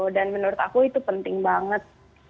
dan menurut aku itu penting banget